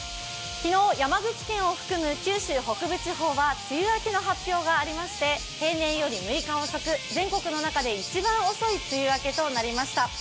昨日、山口県を含む九州北部地方は梅雨明けの発表がありまして、平年より６日遅く、全国の中で一番遅い梅雨明けとなりました。